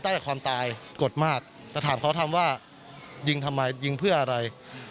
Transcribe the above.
ได้แต่ความตายกดมากแต่ถามเขาทำว่ายิงทำไมยิงเพื่ออะไร